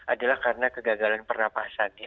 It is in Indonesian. adalah karena kegagalan pernapasan ya